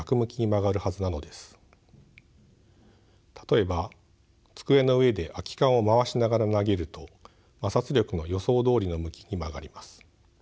例えば机の上で空き缶を回しながら投げると摩擦力の予想どおりの向きに曲がります。